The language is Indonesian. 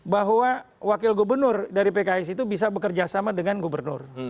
bahwa wakil gubernur dari pks itu bisa bekerja sama dengan gubernur